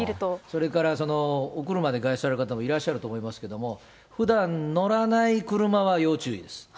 それからお車で外出される方もいらっしゃると思いますけども、ふだん乗らない車は要注意です。